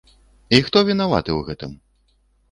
І хто вінаваты ў гэтым?